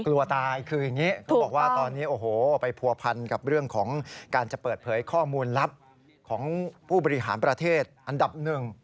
กลัวตายคืออย่างนี้เขาบอกว่าตอนนี้โอ้โหไปผัวพันกับเรื่องของการจะเปิดเผยข้อมูลลับของผู้บริหารประเทศอันดับหนึ่ง